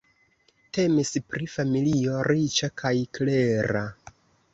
Temis pri familio riĉa kaj klera.